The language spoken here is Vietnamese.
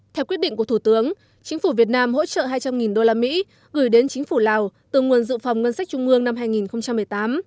theo quyết định của thủ tướng chính phủ việt nam hỗ trợ hai trăm linh usd gửi đến chính phủ lào từ nguồn dự phòng ngân sách trung ương năm hai nghìn một mươi tám